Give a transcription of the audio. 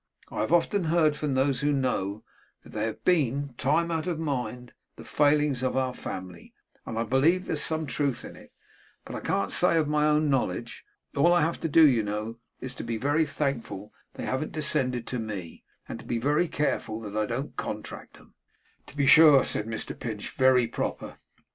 I have often heard from those who know, that they have been, time out of mind, the failings of our family; and I believe there's some truth in it. But I can't say of my own knowledge. All I have to do, you know, is to be very thankful that they haven't descended to me, and, to be very careful that I don't contract 'em.' 'To be sure,' said Mr Pinch. 'Very proper.